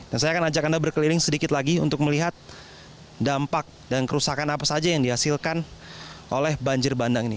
dan saya akan ajak anda berkeliling sedikit lagi untuk melihat dampak dan kerusakan apa saja yang dihasilkan oleh banjir bandang ini